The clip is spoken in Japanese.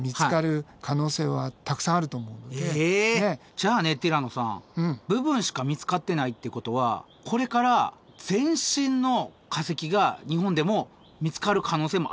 じゃあねティラノさん部分しか見つかってないってことはこれから全身の化石が日本でも見つかる可能性もあるってことですよね？